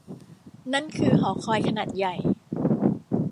นั่นคือหอคอยขนาดใหญ่ !